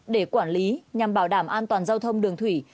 để quản lý nhằm bảo đảm an toàn giao thông đường thủy